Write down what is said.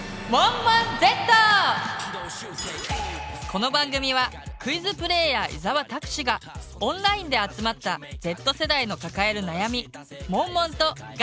この番組はクイズプレーヤー伊沢拓司がオンラインで集まった伊沢さん！